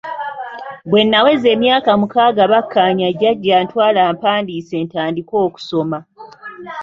Bwe naweza emyaka omukaaga bakkaanya jjajja antwale ampandiise ntandike okusoma.